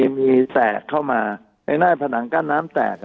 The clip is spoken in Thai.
มีแตกเข้ามาไอ้หน้าผนังกั้นน้ำแตก